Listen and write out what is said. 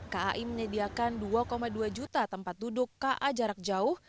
kai menyediakan dua dua juta tempat duduk ka jarak jauh